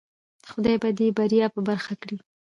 خدای به دی بریا په برخه کړی